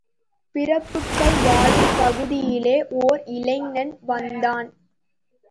பிரபுக்கள் வாழும் பகுதியிலே ஓர் இளைஞன் வந்தான்.